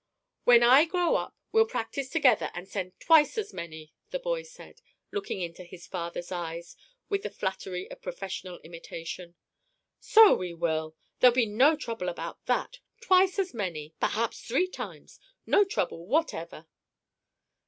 "When I grow up we'll practise together and send twice as many," the boy said, looking into his father's eyes with the flattery of professional imitation. "So we will! There'll be no trouble about that! Twice as many, perhaps three times! No trouble whatever!"